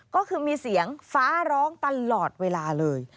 ก็คือมีเสียงฟ้าร้องตลอดเวลาเลย